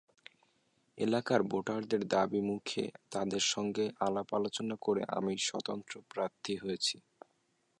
এলাকার ভোটারদের দাবির মুখে, তাঁদের সঙ্গে আলাপ-আলোচনা করে আমি স্বতন্ত্র প্রার্থী হয়েছি।